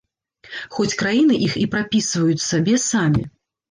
Хоць краіны іх і прапісваюць сабе самі.